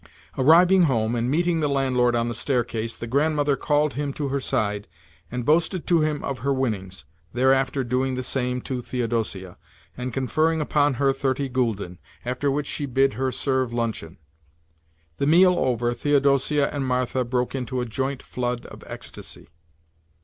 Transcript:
Arriving home, and meeting the landlord on the staircase, the Grandmother called him to her side, and boasted to him of her winnings—thereafter doing the same to Theodosia, and conferring upon her thirty gülden; after which she bid her serve luncheon. The meal over, Theodosia and Martha broke into a joint flood of ecstasy.